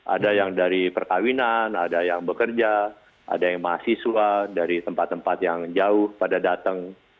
ada yang dari perkawinan ada yang bekerja ada yang mahasiswa dari tempat tempat yang jauh pada datang